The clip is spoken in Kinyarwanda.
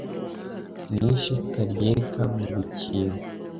nishe karyega mu gikingo